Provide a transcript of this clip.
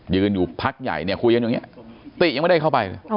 อยู่พักใหญ่เนี่ยคุยกันอย่างนี้ติยังไม่ได้เข้าไปเลย